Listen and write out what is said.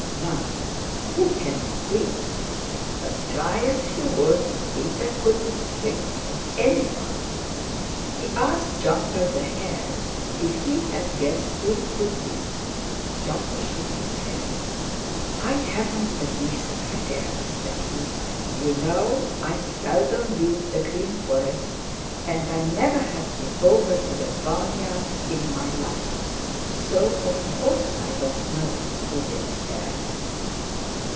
"Now who can it be?" But try as he would, Peter couldn't think of any one. He asked Jumper the Hare if he had guessed who it could be. Jumper shook his head. "I haven't the least idea," said he. "You know I seldom leave the Green Forest and I never have been over to that barnyard in my life, so of course I don't know who lives there."